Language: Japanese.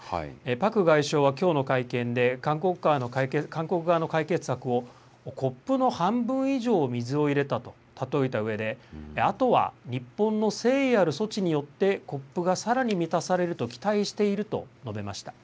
パク外相はきょうの会見で、韓国側の解決策をコップの半分以上、水を入れたと例えたうえで、あとは日本の誠意ある措置によってコップがさらに満たされると期待していると述べました。